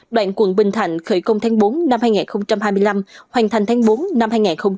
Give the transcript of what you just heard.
đoạn quận bình thạnh khởi công tháng bốn năm hai nghìn hai mươi năm hoàn thành tháng bốn năm hai nghìn hai mươi ba